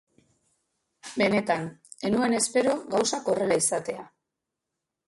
Benetan, ez nuen espero gauzak horrela izatea.